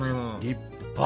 立派！